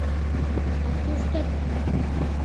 А туштет...